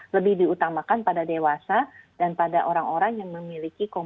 lebih diutamakan pada dewasa dan pada orang orang yang memiliki kemampuan